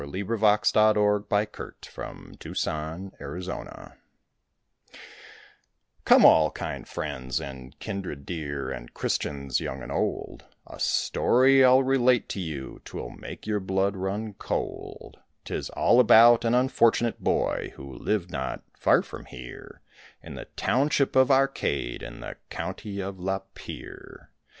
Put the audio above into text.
It was late in the eve ning he HARRY BALE Come all kind friends and kindred dear and Christians young and old, A story I'll relate to you, 'twill make your blood run cold; 'Tis all about an unfortunate boy who lived not far from here, In the township of Arcade in the County of Lapeer.